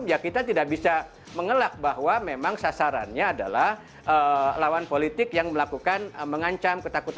ya kita tidak bisa mengelak bahwa memang sasarannya adalah lawan politik yang melakukan mengancam ketakutan